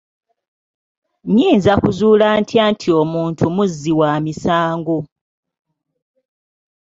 Nnyinza kuzuula ntya nti omuntu muzzi wa misango?